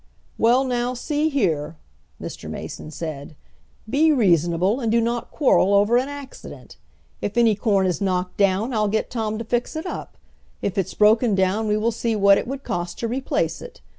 "Well now, see here," Mr. Mason said, "Be reasonable and do not quarrel over an accident. If any corn is knocked down I'll get Tom to fix it up, if it's broken down we will see what it would cost to replace it.